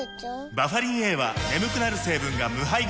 バファリンＡは眠くなる成分が無配合なんです